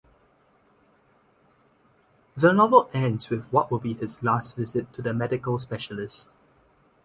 The novel ends with what will be his last visit to the medical specialist.